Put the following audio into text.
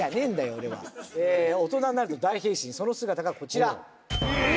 俺はえ大人になると大変身その姿がこちらえ！